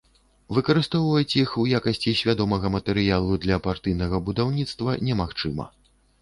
Выкарыстоўваць іх у якасці свядомага матэрыялу для партыйнага будаўніцтва немагчыма.